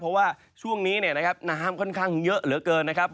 เพราะว่าช่วงนี้เนี่ยนะครับน้ำค่อนข้างเยอะเหลือเกินนะครับ